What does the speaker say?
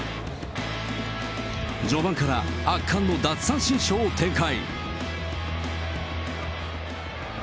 序盤から、圧巻の奪三振ショーを展開。